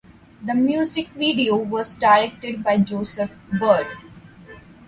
The music video was directed by Joseph Bird.